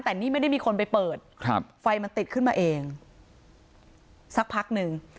แต่นี่ไม่ได้มีคนไปเปิดครับไฟมันติดขึ้นมาเองสักพักหนึ่ง